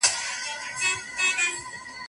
دا مقاله تر هغې بلې خورا ښه ده.